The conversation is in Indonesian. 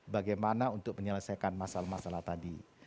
bagaimana untuk menyelesaikan masalah masalah tadi